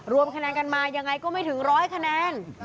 รวมคะแนนกันมายังไงก็ไม่ถึงร้อยคะแนน